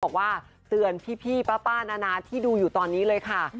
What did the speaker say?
ฉันจะบอกว่าเตือนพี่พ่อพ่อแนะที่ดูอยู่ตอนนี้เลยค่ะ